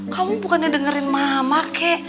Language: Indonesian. kamu bukannya dengerin mama kek